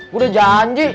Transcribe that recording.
gua udah janji